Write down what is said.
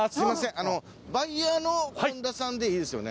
あのバイヤーの本田さんでいいですよね？